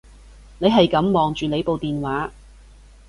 你係噉望住你部電話